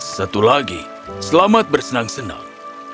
satu lagi selamat bersenang senang